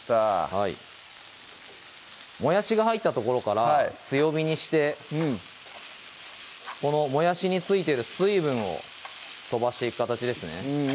はいもやしが入ったところから強火にしてこのもやしに付いてる水分を飛ばしていく形ですね